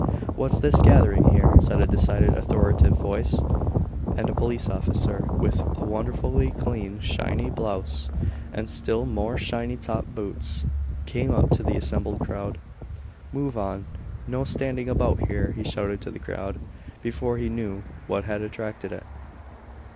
"What's this gathering here?" said a decided, authoritative voice, and a police officer, with a wonderfully clean, shiny blouse, and still more shiny top boots, came up to the assembled crowd. "Move on. No standing about here," he shouted to the crowd, before he knew what had attracted it.